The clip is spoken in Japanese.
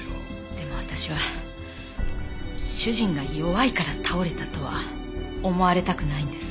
でも私は主人が弱いから倒れたとは思われたくないんです。